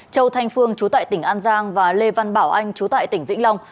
châu thanh phương chú tại tỉnh an giang và lê văn bảo anh chú tại tỉnh vĩnh long